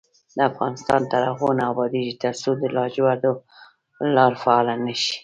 افغانستان تر هغو نه ابادیږي، ترڅو د لاجوردو لار فعاله نشي.